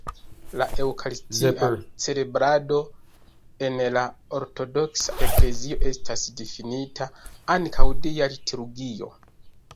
La eŭkaristia celebrado en la Ortodoksa Eklezio estas difinita ankaŭ Dia liturgio.